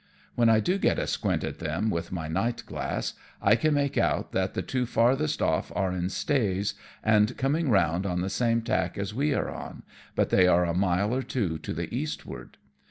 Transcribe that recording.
When I do get a squint at them with my night glass, I can make out that the two farthest off are in stays, and coming round on the same tack as we are on, but they are a mile or two to the eastward.